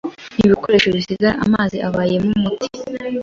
nibikoresho bisigara amazi abaye mumuti